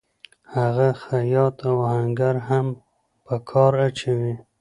هغه خیاط او آهنګر هم په کار اچوي